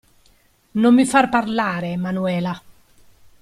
Non mi far parlare, Manuela.